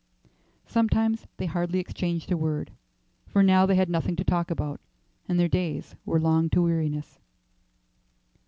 Sometimes they hardly exchanged a word, for now they had nothing to talk about, and their days were long to weariness.